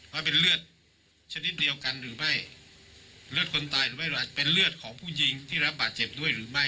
ว่าเป็นเลือดชนิดเดียวกันหรือไม่เลือดคนตายหรือไม่เป็นเลือดของผู้หญิงที่รับบาดเจ็บด้วยหรือไม่